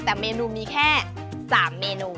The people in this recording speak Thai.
แต่เมนูมีแค่๓เมนู